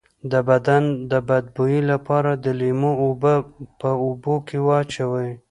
د بدن د بد بوی لپاره د لیمو اوبه په اوبو کې واچوئ